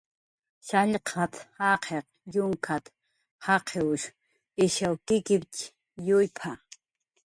"Shallqat"" jaqiq yunkat"" jaqiwsh ishaw kikip""tx yuyp""a "